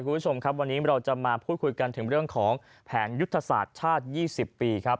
คุณผู้ชมครับวันนี้เราจะมาพูดคุยกันถึงเรื่องของแผนยุทธศาสตร์ชาติ๒๐ปีครับ